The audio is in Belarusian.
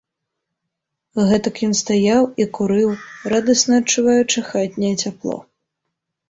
Гэтак ён стаяў і курыў, радасна адчуваючы хатняе цяпло.